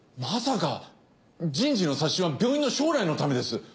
まさか人事の刷新は病院の将来のためです。